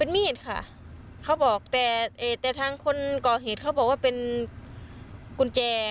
มีดค่ะเขาบอกแต่แต่ทางคนก่อเหตุเขาบอกว่าเป็นกุญแจ